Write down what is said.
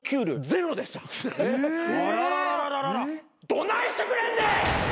どないしてくれんねん！